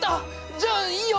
じゃあいいよ。